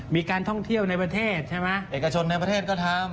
มีการท่องเที่ยวในประเทศใช่ไหมเอกชนในประเทศก็ทำ